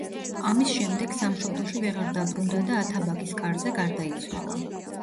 ამის შემდეგ სამშობლოში ვეღარ დაბრუნდა და ათაბაგის კარზე გარდაიცვალა.